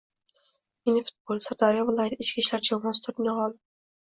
Mini-futbol: Sirdaryo viloyati ichki ishlar jamoasi – turnir g‘olibi